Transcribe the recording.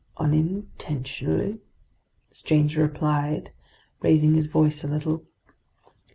"Unintentionally?" the stranger replied, raising his voice a little.